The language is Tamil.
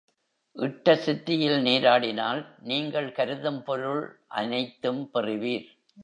இட்டசித்தியில் நீராடினால் நீங்கள் கருதும் பொருள் அனைத்தும் பெறுவீர்.